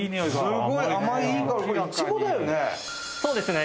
そうですね。